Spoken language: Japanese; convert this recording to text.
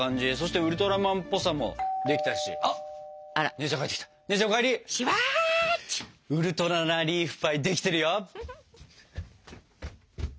ウルトラなリーフパイできてるよ！